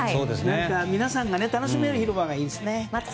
皆さんが楽しめる広場がいいですね。